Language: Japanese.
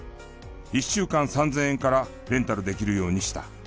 １週間３０００円からレンタルできるようにした。